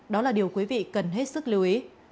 đó là điều quý vị cần hết sức lưu ý